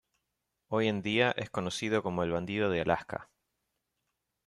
Hoy en día, es conocido como "El bandido de Alaska".